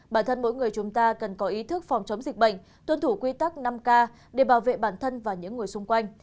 bản thân mỗi người chúng ta cần có ý thức phòng chống dịch bệnh tuân thủ quy tắc năm k để bảo vệ bản thân và những người xung quanh